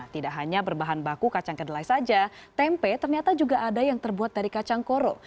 tidak hanya berbahan baku kacang kedelai saja tempe ternyata juga ada yang terbuat dari kacang koro